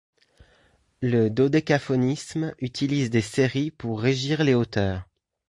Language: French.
Le dodécaphonisme utilise des séries pour régir les hauteurs.